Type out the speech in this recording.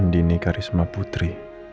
andini karisma putri